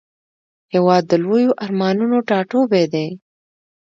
هېواد د لویو ارمانونو ټاټوبی دی.